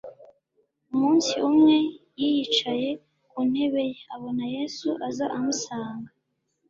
Umunsi umwe yiyicanye ku ntebe ye, abona Yesu aza amusanga,